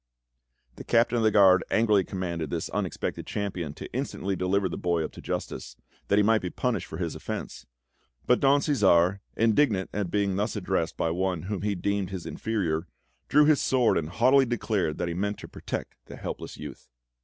The Captain of the Guard angrily commanded this unexpected champion to instantly deliver the boy up to justice, that he might be punished for his offence; but Don Cæsar, indignant at being thus addressed by one whom he deemed his inferior, drew his sword and haughtily declared that he meant to protect the helpless youth.